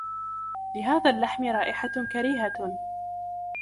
لهذا اللحم رائحة كريهة.